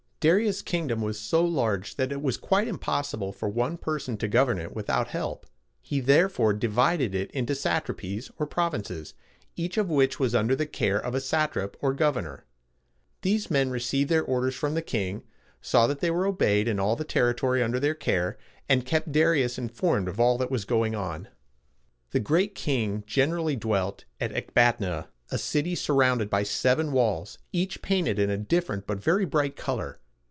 Darius' kingdom was so large that it was quite impossible for one person to govern it without help. He therefore divided it into satrapies, or provinces, each of which was under the care of a satrap, or governor. These men received their orders from the king, saw that they were obeyed in all the territory under their care, and kept Darius informed of all that was going on. The Great King generally dwelt at Ec bat´a na, a city surrounded by seven walls, each painted in a different but very bright color.